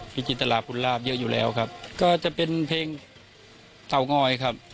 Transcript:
จิตราคุณลาบเยอะอยู่แล้วครับก็จะเป็นเพลงเตางอยครับ